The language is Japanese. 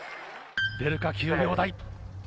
出るか、９秒台。